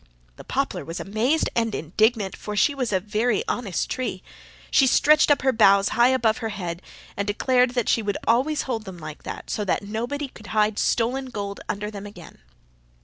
The poplar was amazed and indignant, for she was a very honest tree. She stretched her boughs high above her head and declared that she would always hold them like that, so that nobody could hide stolen gold under them again.